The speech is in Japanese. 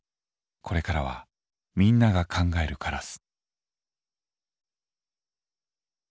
これからはみんなが「考えるカラス」。